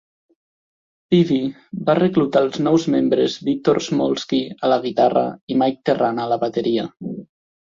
Peavy va reclutar els nous membres Victor Smolski a la guitarra i Mike Terrana a la bateria.